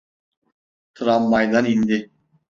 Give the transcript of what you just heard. Tramvaydan indi.